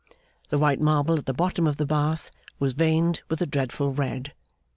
The white marble at the bottom of the bath was veined with a dreadful red.